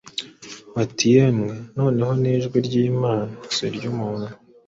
bati : “Yemwe noneho ni ijwi ry’Imana, si iry’umuntu!”